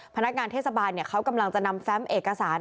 พนักงานเทศบาลเขากำลังจะนำแฟมเอกสาร